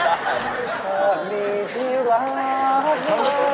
เธอมีที่รัก